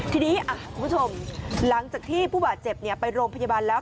ทีนี้คุณผู้ชมหลังจากที่ผู้บาดเจ็บไปโรงพยาบาลแล้ว